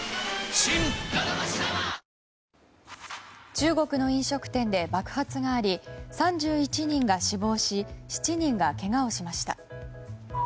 中国の飲食店で爆発があり３１人が死亡し７人がけがをしました。